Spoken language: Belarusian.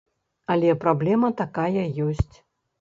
Але праблема такая ёсць.